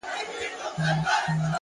لوړ هدفونه لویې قربانۍ غواړي,